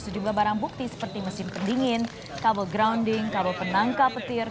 sejumlah barang bukti seperti mesin pendingin kabel grounding kabel penangkap petir